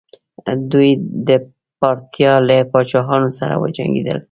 دوی د پارتیا له پاچاهانو سره وجنګیدل